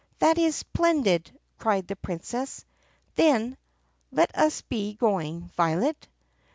"That is splendid!" cried the Princess. Then, "Let us be going, Violet."